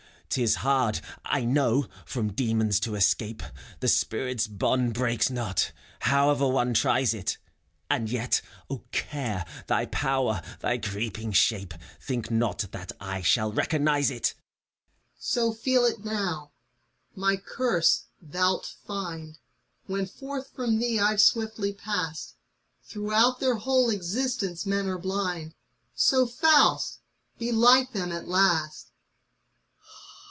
'T is hard, I know, from Daemons to escape ; The spirit's bond breaks not, however one tries it; And yet, O Care, thy power, thy creeping shape. Think not that I shall recognize it ! CARE. So feel it now : my curse thou It find. When forth from thee I've swiftly passed ! Throughout their whole existence men are blind; So, Faust, be thou like them at last!